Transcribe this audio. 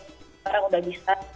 sekarang udah bisa